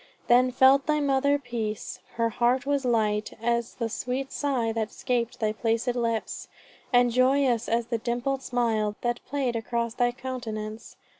Then felt thy mother peace; her heart was light As the sweet sigh that 'scaped thy placid lips, And joyous as the dimpled smile that played Across thy countenance.